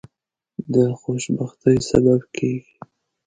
د خوشبختی سبب کیږي.